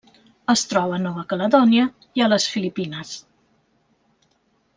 Es troba a Nova Caledònia i a les Filipines.